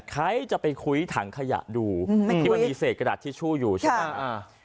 ใครจะไปคุยถังขยะดูไม่คุยไม่คิดว่ามีเศษกระดาษทิชชู่อยู่ใช่ไหมค่ะ